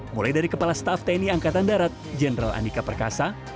mulai dari kepala staff tni angkatan darat jenderal andika perkasa